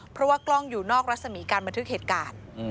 เพราะว่ากล้องอยู่นอกรัศมีการบันทึกเหตุการณ์